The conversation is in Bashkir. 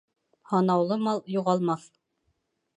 Һанаулы мал юғалмаҫ.